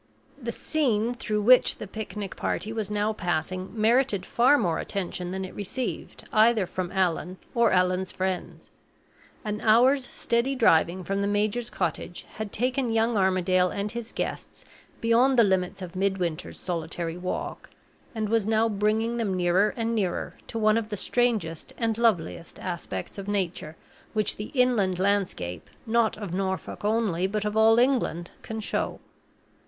The scene through which the picnic party was now passing merited far more attention than it received either from Allan or Allan's friends. An hour's steady driving from the major's cottage had taken young Armadale and his guests beyond the limits of Midwinter's solitary walk, and was now bringing them nearer and nearer to one of the strangest and loveliest aspects of nature which the inland landscape, not of Norfolk only, but of all England, can show.